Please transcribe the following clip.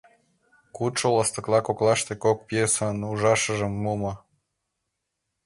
Кодшо ластыкла коклаште кок пьесын ужашыжым мумо.